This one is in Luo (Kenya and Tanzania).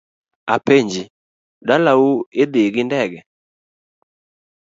Apenji, dalau idhi gi ndege?